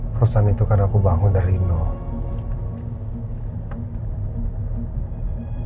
perusahaan itu karena aku bangun dari nol